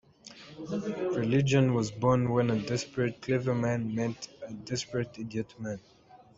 " Religion was born when a desperate clever man met a desperate idiot man".